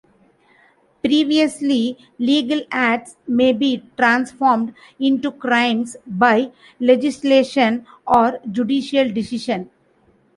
Previously legal acts may be transformed into crimes by legislation or judicial decision.